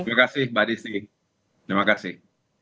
terima kasih mbak desi terima kasih